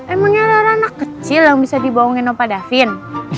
emangnya rana anak kecil yang bisa dibawangin opa davin